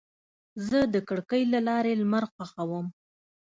زه د کړکۍ له لارې لمر خوښوم.